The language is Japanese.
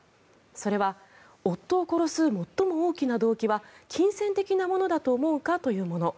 それは夫を殺す最も大きな動機は金銭的なものだと思うか？というもの。